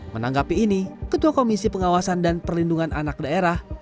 menanggapi ini ketua komisi pengawasan dan perlindungan anak daerah